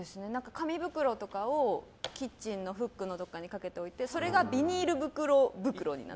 紙袋とかをキッチンのフックのところにかけておいてそれがビニール袋袋になる。